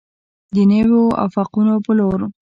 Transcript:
د نویو افقونو په لور.